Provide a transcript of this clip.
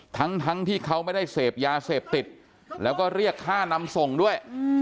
ทั้งที่เขาไม่ได้เสพยาเสพติดแล้วก็เรียกค่านำส่งด้วย